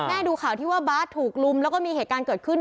ดูข่าวที่ว่าบาสถูกลุมแล้วก็มีเหตุการณ์เกิดขึ้น